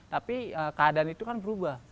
tapi keadaan itu kan berubah